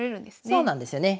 そうなんですよね。